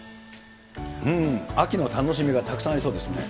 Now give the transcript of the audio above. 秋の楽しみがたくさんありそうですね。